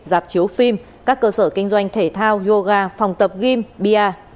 giạp chiếu phim các cơ sở kinh doanh thể thao yoga phòng tập game bia